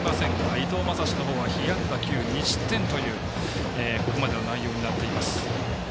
伊藤将司の方は被安打９２失点というここまでの内容になっています。